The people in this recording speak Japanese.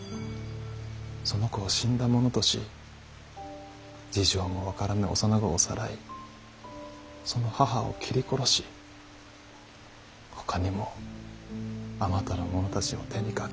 その子を死んだ者とし事情も分からぬ幼子をさらいその母を切り殺しほかにもあまたの者たちを手にかけ。